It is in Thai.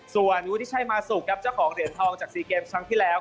ส่วนวุฒิชัยมาสุกครับเจ้าของเหรียญทองจาก๔เกมครั้งที่แล้ว